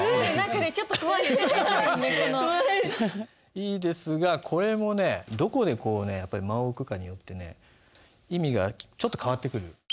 いいですがこれもねどこでこうね間を置くかによってね意味がちょっと変わってくる。